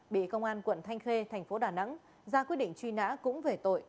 bị công an quận thanh khê tp đà nẵng ra quyết định truy nã cũng về tội